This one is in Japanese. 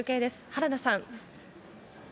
原田さん。